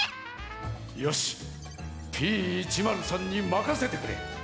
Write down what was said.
よしＰ１０３にまかせてくれ。